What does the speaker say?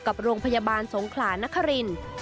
กับโรงพยาบาลสงขลานครินทร์